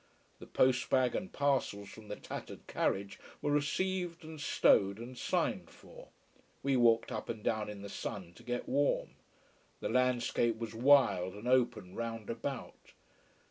The post bag and parcels from the tattered carriage were received and stowed and signed for. We walked up and down in the sun to get warm. The landscape was wild and open round about.